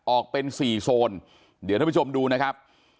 ออกเป็น๔โซนเดี๋ยวท่านผู้ชมดูนะครับ